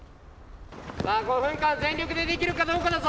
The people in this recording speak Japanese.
５分間、全力でできるかどうかだぞ。